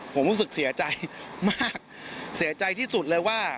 ผมรู้สึกเสียใจมากเสียใจที่สุดเลยว่า